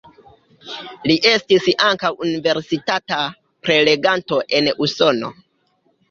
Li estis ankaŭ universitata preleganto en Usono.